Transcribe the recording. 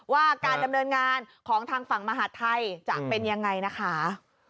ว่าการดำเนินงานของทางฝั่งมหาดไทยจะเป็นยังไงนะคะ